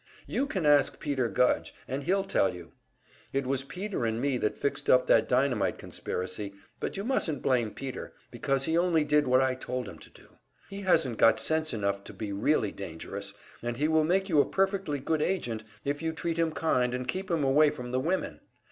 You can ask Peter Gudge and he'll tell you. It was Peter and me that fixed up that dynamite conspiracy, but you mustn't blame Peter, because he only did what I told him to do. He hasn't got sense enough to be really dangerous, and he will make you a perfectly good agent if you treat him kind and keep him away from the women.